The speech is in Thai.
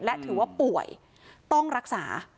และถือว่าป่วยต้องรักษา